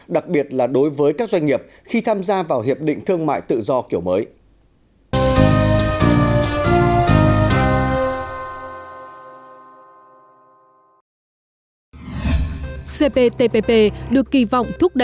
đặc biệt là đối với các doanh nghiệp khi tham gia vào hiệp định thương mại tự do